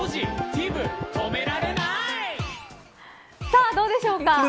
さあ、どうでしょうか。